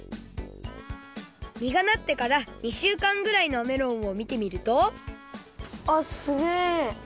みがなってから２週間ぐらいのメロンをみてみるとあっすげえ！